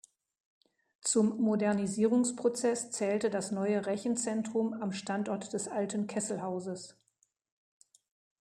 Zum Modernisierungsprozess zählte das neue Rechenzentrum am Standort des alten Kesselhauses.